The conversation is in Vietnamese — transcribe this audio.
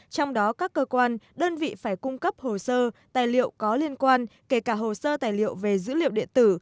trong đó các cơ quan đơn vị phải cung cấp hồ sơ tài liệu có liên quan kể cả hồ sơ tài liệu về dữ liệu điện tử